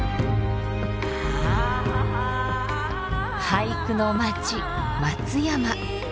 俳句の街松山。